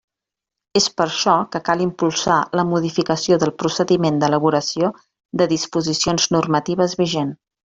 És per això que cal impulsar la modificació del procediment d'elaboració de disposicions normatives vigent.